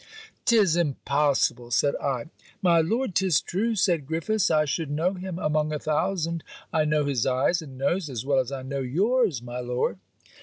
''Tis impossible!' said I. 'My Lord, 'tis true,' said Griffiths. I should know him among a thousand. I know his eyes and nose as well as I know your's, my Lord.'